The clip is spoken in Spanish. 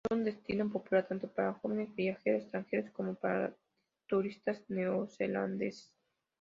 Es un destino popular tanto para jóvenes viajeros extranjeros como para los turistas neozelandeses.